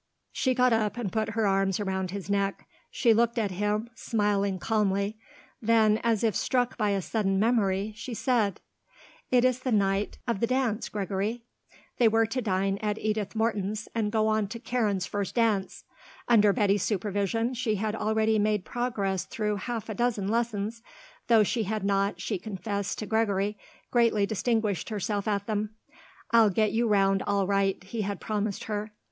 She got up and put her arms around his neck; she looked at him, smiling calmly; then, as if struck by a sudden memory, she said: "It is the night of the dance, Gregory." They were to dine at Edith Morton's and go on to Karen's first dance. Under Betty's supervision she had already made progress through half a dozen lessons, though she had not, she confessed to Gregory, greatly distinguished herself at them. "I'll get you round all right," he had promised her.